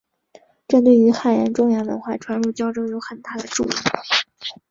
这对于汉人中原文化传入交州有很大的助益。